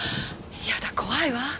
やだ怖いわ。